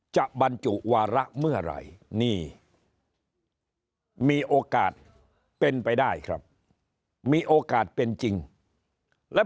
บรรจุวาระเมื่อไหร่นี่มีโอกาสเป็นไปได้ครับมีโอกาสเป็นจริงและ